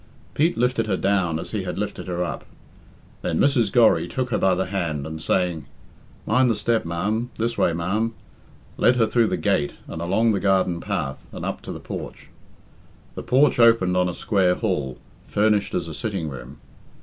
Pete lifted her down as he had lifted her up. Then Mrs. Gorry took her by the hand, and saying, "Mind the step, ma'am this way, ma'am," led her through the gate and along the garden path, and up to the porch. The porch opened on a square hall, furnished as a sitting room.